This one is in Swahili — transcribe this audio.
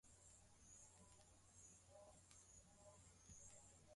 Baadhi ya waasi hao waliamua kubaki katika kambi ya jeshi